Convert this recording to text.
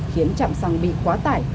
khiến trạm xăng bị quá tải